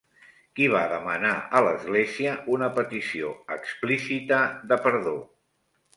Qui va demanar a l'Església una petició explícita de perdó?